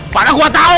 padahal gua tahu